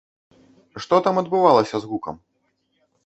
Што там адбывалася з гукам?